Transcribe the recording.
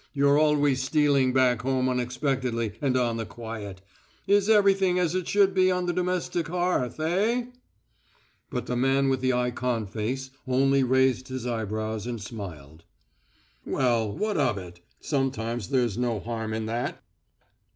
You're always stealing back home unexpectedly and on the quiet. 'Is everything as it should be on the domestic hearth?' Eh?" But the man with the ikon face only raised his eyebrows and smiled. "Well, what of it? Sometimes there's no harm in that."